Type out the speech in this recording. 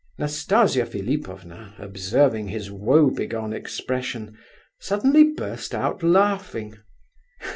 Nastasia Philipovna, observing his woe begone expression, suddenly burst out laughing.